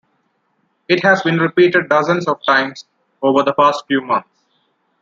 It has been repeated dozens of times over the past few months.